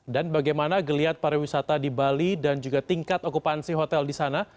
dan bagaimana geliat para wisata di bali dan juga tingkat okupansi hotel di sana